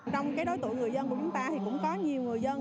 trong đối tượng người dân của chúng ta thì cũng có nhiều người dân